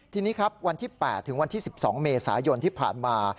ทีนี้ครับวันที่๘ถึงวันที่๑๒เมษายนที่ผ่านมา